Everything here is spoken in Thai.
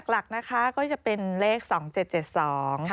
สวัสดีค่ะสวัสดีค่ะสวัสดีค่ะสวัสดีค่ะ